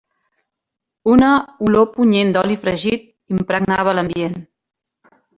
Una olor punyent d'oli fregit impregnava l'ambient.